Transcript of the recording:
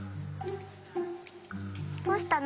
どうしたの？